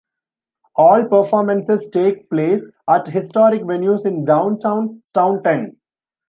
All performances take place at historic venues in downtown Staunton.